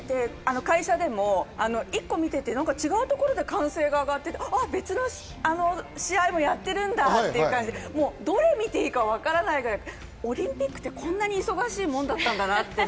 １個見てて違うところで歓声が上がって、あっ、別の試合もやってるんだっていう感じで、もうどれを見ていいかわからないくらい、オリンピックってこんなに忙しいもんだったんだなって。